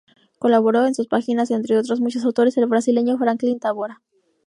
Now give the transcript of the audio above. Colaboró en sus páginas, entre otros muchos autores, el brasileño Franklin Távora.